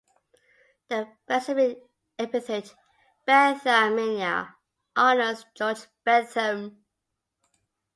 The specific epithet ("benthamiana") honours George Bentham.